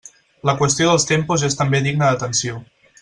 La qüestió dels tempos és també digna d'atenció.